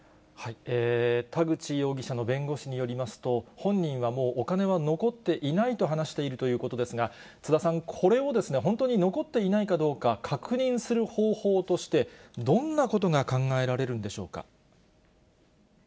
田口容疑者の弁護士によりますと、本人はもうお金は残っていないと話しているということですが、津田さん、これを本当に残っていないかどうか確認する方法として、どんなことが考えられるんでしょうか。